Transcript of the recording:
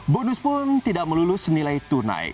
bonus pun tidak melulus nilai tunai